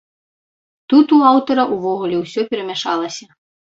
Тут у аўтара ўвогуле ўсё перамяшалася.